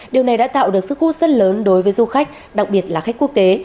điều này đã tạo được sức hút rất lớn đối với du khách đặc biệt là khách quốc tế